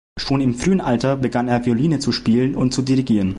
Schon im frühen Alter begann er Violine zu spielen und zu dirigieren.